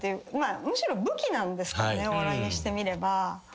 むしろ武器なんですからねお笑いにしてみれば。